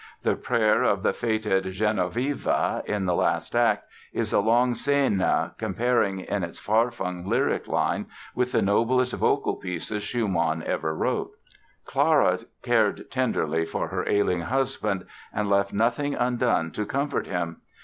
The prayer of the fated Genoveva in the last act is a long scena comparing in its far flung lyric line with the noblest vocal pieces Schumann ever wrote. Clara cared tenderly for her ailing husband and left nothing undone to comfort him.